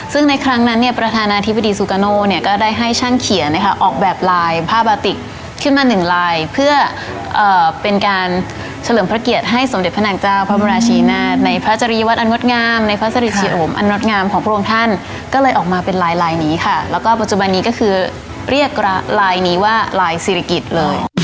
ซึ่งในครั้งนั้นเนี่ยประธานาธิบดีซูกาโนเนี่ยก็ได้ให้ช่างเขียนนะคะออกแบบลายผ้าบาติกขึ้นมาหนึ่งลายเพื่อเป็นการเฉลิมพระเกียรติให้สมเด็จพระนางเจ้าพระบรมราชินาศในพระจริยวัตรอันงดงามในพระสริชิโอมอันงดงามของพระองค์ท่านก็เลยออกมาเป็นลายลายนี้ค่ะแล้วก็ปัจจุบันนี้ก็คือเรียกลายนี้ว่าลายศิริกิจเลย